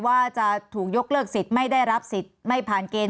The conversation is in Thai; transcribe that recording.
ว่าจะถูกยกเลิกสิทธิ์ไม่ได้รับสิทธิ์ไม่ผ่านเกณฑ์